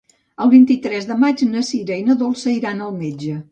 El vint-i-tres de maig na Sira i na Dolça iran al metge.